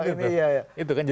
nah kayak gitu kayak gitu